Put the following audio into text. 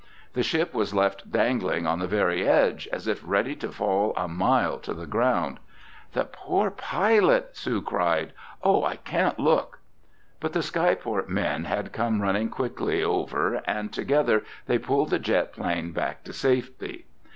The ship was left dangling on the very edge as if ready to fall a mile to the ground. "The poor pilot!" Sue cried. "Oh, I can't look!" But the skyport men had come running quickly over and together they pulled the jet plane back to safety.